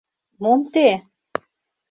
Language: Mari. — Мом те?